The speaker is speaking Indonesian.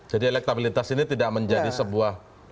jadi elektabilitas ini tidak menjadi sebuah